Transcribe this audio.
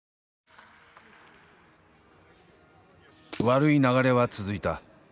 悪い流れは続いた。